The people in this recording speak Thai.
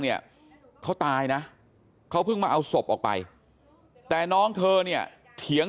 เนี่ยเขาตายนะเขาเพิ่งมาเอาศพออกไปแต่น้องเธอเนี่ยเถียง